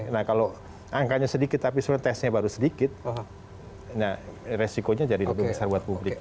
nah kalau angkanya sedikit tapi sebenarnya tesnya baru sedikit resikonya jadi lebih besar buat publik